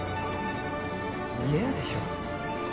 見えるでしょ？